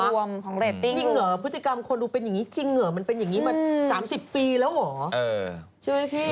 รวมของเรตติ้งจริงเหรอพฤติกรรมคนดูเป็นอย่างนี้จริงเหรอมันเป็นอย่างนี้มา๓๐ปีแล้วเหรอใช่ไหมพี่